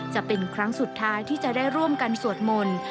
จะเป็นครั้งสุดท้ายที่จะได้ร่วมกันสวดมนต์